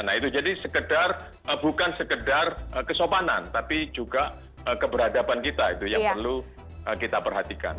nah itu jadi bukan sekedar kesopanan tapi juga keberadaban kita itu yang perlu kita perhatikan